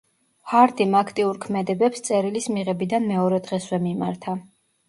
ჰარდიმ აქტიურ ქმედებებს წერილის მიღებიდან მეორე დღესვე მიმართა.